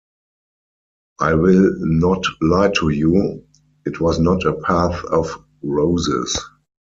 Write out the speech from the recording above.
I will not lie to you; it was not a path of roses.